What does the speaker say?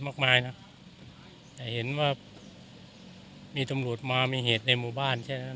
มากมายนะแต่เห็นว่ามีตำรวจมามีเหตุในหมู่บ้านแค่นั้น